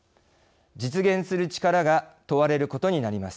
実現する力が問われることになります。